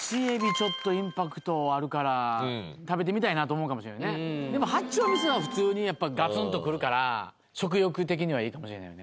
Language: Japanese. ちょっとインパクトあるから食べてみたいなと思うかもしれないねでも八丁みそは普通にやっぱガツンと来るから食欲的にはええかもしれないよね